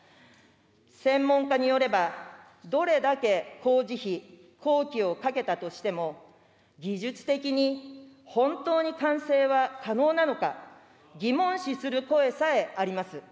専門家によれば、どれだけ工事費、工期をかけたとしても、技術的に本当に完成は可能なのか、疑問視する声さえあります。